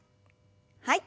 はい。